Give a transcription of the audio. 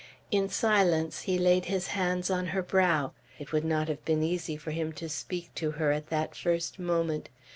In silence he laid his hands on her brow. It would not have been easy for him to speak to her at that first moment.